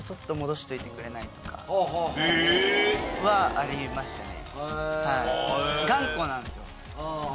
ありましたね。